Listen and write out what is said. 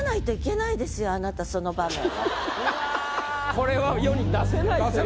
これは世に出せないという。